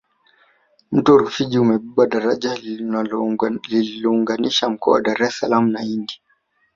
mto rufiji umebeba daraja lilounganisha mkoa ya dar es salaam na indi